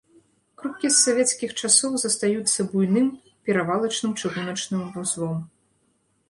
Крупкі з савецкіх часоў застаюцца буйным перавалачным чыгуначным вузлом.